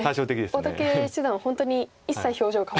大竹七段は本当に一切表情が変わらず。